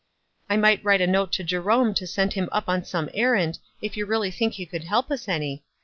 "I mi^ht write a note to Jerome to send him up on some errand, if you really think he could help us any.